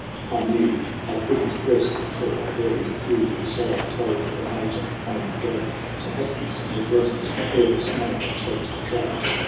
" I knew 1 couldn't rest until I buried Hugh ; And so I told the Major I would go To Atkinson with letters, ere the snow Had choked the trails.